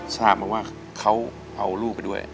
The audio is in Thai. สามารถว่าเขาเอาลูกไปด้วย